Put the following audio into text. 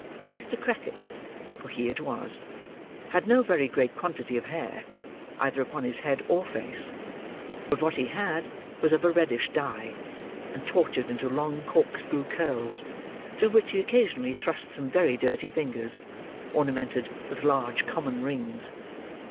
Mr. Crackit (for he it was) had no very great quantity of hair, either upon his head or face; but what he had, was of a reddish dye, and tortured into long corkscrew curls, through which he occasionally thrust some very dirty fingers, ornamented with large common rings.